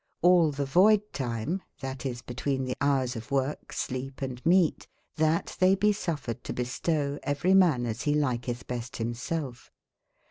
Hll tbe voide time, tbat is betwene tbe boures of worke, slepe, and meate, tbat tbey be suffered to bestowe, every man as be liNetb best bim selfe.